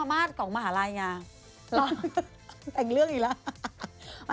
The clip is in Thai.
ลอยเท่าอย่างนั้น